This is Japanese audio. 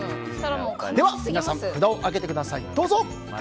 では皆さん札を上げてください。